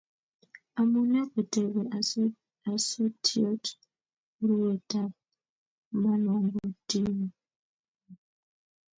Amune kotebe osotiot urwetab manongotionyi?